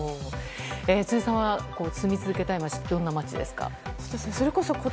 辻さんは住み続けたい街はどんな街ですか？